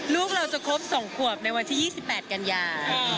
ลูกเราจะครบ๒ขวบในวันที่๒๘กันยา